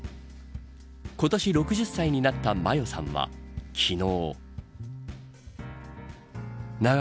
今年６０歳になった麻世さんは昨日。